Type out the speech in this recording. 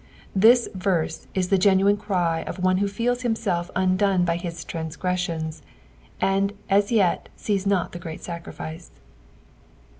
This verse is the genuine cry of one who feels himself undone by his transgressions and as yet sees not the great aacriflce.